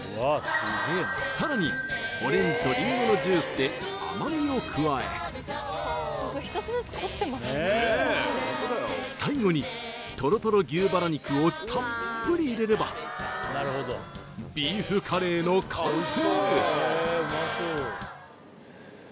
さらにオレンジとリンゴのジュースで甘みを加え最後にトロトロ牛バラ肉をたっぷり入れればビーフカレーの完成